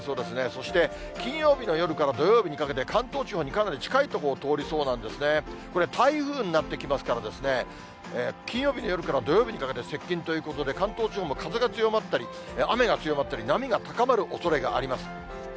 そして金曜の夜から土曜にかけて関東地方にかなり近い所を通りそうなんですね、これ台風になってきますから、金曜日の夜から土曜日にかけて接近ということで、関東地方も風が強まったり、雨が強まったり、波が高まるおそれがあります。